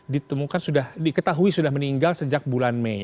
ditemukan sudah diketahui sudah meninggal sejak bulan mei